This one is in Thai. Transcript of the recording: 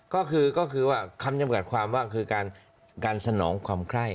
ก็คือว่าคำจำกัดความว่าคือการสนองความไคร้